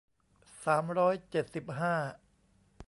สามร้อยเจ็ดสิบห้า